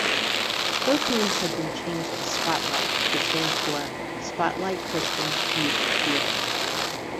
Both names have been changed to Spotlight which stands for Spotlight Christian Youth Theatre.